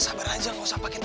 sampai jumpa rumah rai ya